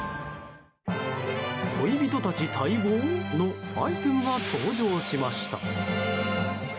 恋人たち待望？のアイテムが登場しました。